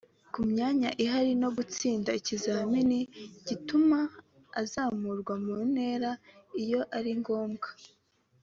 ku myanya ihari no gutsinda ikizamini gituma azamurwa mu ntera iyo ari ngombwa